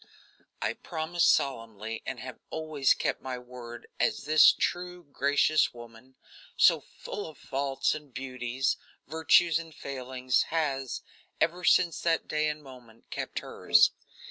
I promised solemnly and have always kept my word, as this true, gracious woman, so full of faults and beauties, virtues and failings, has, ever since that day and moment, kept hers.